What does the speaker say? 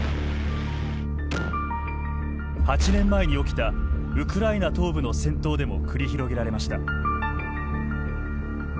８年前に起きたウクライナ東部の戦闘でも繰り広げられました。